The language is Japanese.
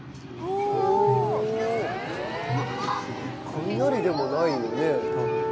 雷でもないよね？